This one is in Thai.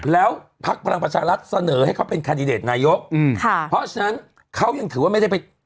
แล้วพักพลังประชารัฐเสนอให้เขาเป็นคันดิเดตนายกเพราะฉะนั้นเขายังถือว่าไม่ได้ไป